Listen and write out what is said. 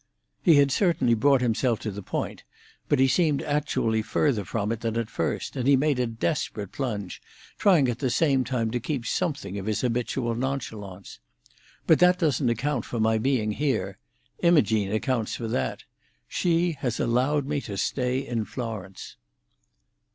He had certainly brought himself to the point, but he seemed actually further from it than at first, and he made a desperate plunge, trying at the same time to keep something of his habitual nonchalance. "But that doesn't account for my being here. Imogene accounts for that. She has allowed me to stay in Florence."